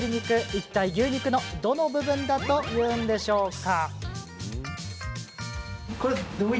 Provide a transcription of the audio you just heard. いったい牛肉のどの部分だというんでしょうか。